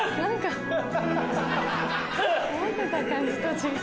思ってた感じと違う。